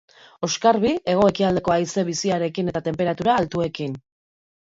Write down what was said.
Oskarbi, hego-ekialdeko haize biziarekin eta tenperatura altuekin.